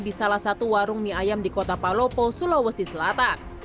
di salah satu warung mie ayam di kota palopo sulawesi selatan